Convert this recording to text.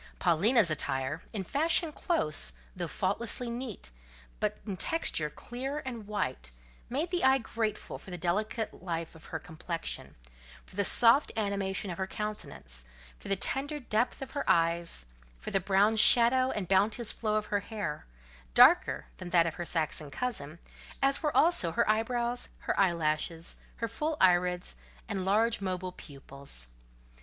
Paulina's attire—in fashion close, though faultlessly neat, but in texture clear and white—made the eye grateful for the delicate life of her complexion, for the soft animation of her countenance, for the tender depth of her eyes, for the brown shadow and bounteous flow of her hair—darker than that of her Saxon cousin, as were also her eyebrows, her eyelashes, her full irids, and large mobile pupils.